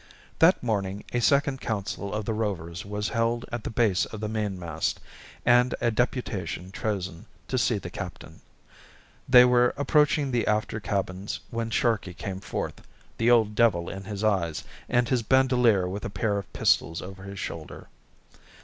That morning a second council of the Rovers was held at the base of the mainmast, and a deputation chosen to see the captain. They were approaching the after cabins when Sharkey came forth, the old devil in his eyes, and his bandolier with a pair of pistols over his shoulder.